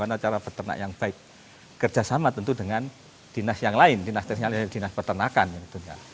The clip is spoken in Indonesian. untuk inianceenne change id kalau misalnya askedim dan indik amenis jadi diang fasting ad aparece penganguseng ibrad dasar lagu